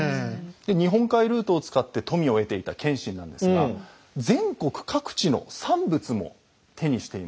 日本海ルートを使って富を得ていた謙信なんですが全国各地の産物も手にしていました。